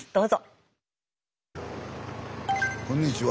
あこんにちは。